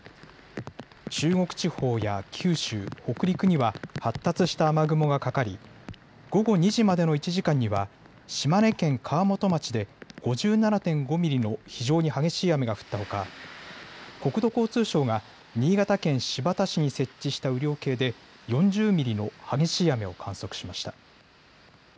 中国地方や九州、北陸には発達した雨雲がかかり午後２時までの１時間には島根県川本町で５７．５ミリの非常に激しい雨が降ったほか国土交通省が新潟県新発田市に設置した雨量計で４０ミリの激しい雨を観測しました。